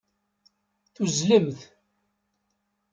Tuzzlemt.